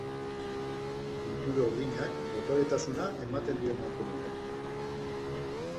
Pintura urdinak dotoretasuna ematen dio emakumeari.